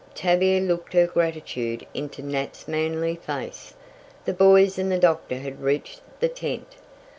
Tavia looked her gratitude into Nat's manly face. The boys and the doctor had reached the tent.